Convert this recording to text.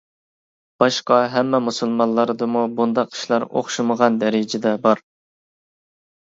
باشقا ھەممە مۇسۇلمانلاردىمۇ بۇنداق ئىشلار ئوخشىمىغان دەرىجىدە بار.